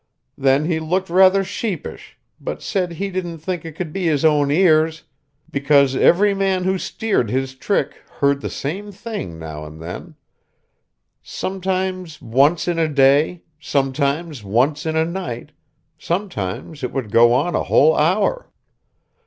Then he looked rather sheepish, but said he didn't think it could be his own ears, because every man who steered his trick heard the same thing now and then, sometimes once in a day, sometimes once in a night, sometimes it would go on a whole hour.